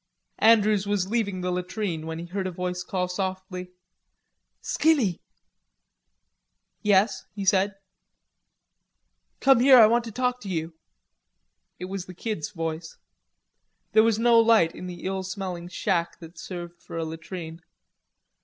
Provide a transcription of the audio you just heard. Andrews was leaving the latrine when he heard a voice call softly, "Skinny." "Yes," he said. "Come here, I want to talk to you." It was the Kid's voice. There was no light in the ill smelling shack that served for a latrine.